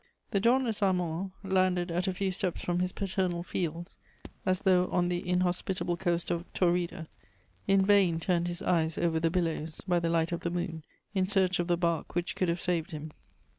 The dauntless Armand, landed at a few steps from his paternal fields, as though on the inhospitable coast of Taurida, in vain turned his eyes over the billows, by the light of the moon, in search of the bark which could have saved him.